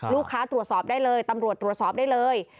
ลูกค้าตรวจสอบได้เลยตำรวจตรวจสอบได้เลย